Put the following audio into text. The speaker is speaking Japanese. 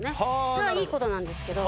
それはいいことなんですけど